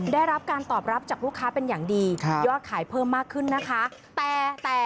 ได้รับการตอบรับจากลูกค้าเป็นอย่างดียอดขายเพิ่มมากขึ้นนะคะ